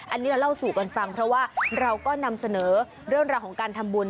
อันนี้เราเล่าสู่กันฟังเพราะว่าเราก็นำเสนอเรื่องราวของการทำบุญ